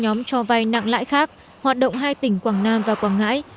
nhóm cho vay nặng lãi khác hoạt động hai tỉnh quảng nam và quảng ngãi